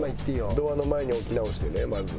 ドアの前に置き直してねまず。